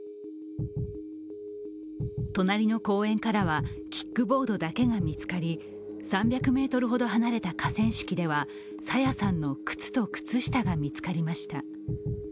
隣の公園からはキックボードだけが見つかり３００ｍほど離れた河川敷では朝芽さんの靴と靴下が見つかりました。